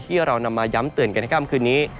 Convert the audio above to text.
ที่เรานำมาย้ำเตือนกันในค่ำคืนนี้